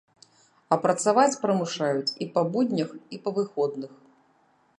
А працаваць прымушаюць і па буднях, і па выходных!